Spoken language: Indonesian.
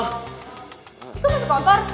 itu masih kotor